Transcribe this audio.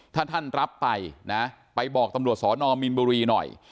ถ้าท่านรับไปนะไปบอกตำรวจสอนอมมีนบุรีหน่อย